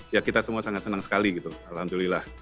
ya kita semua sangat senang sekali gitu alhamdulillah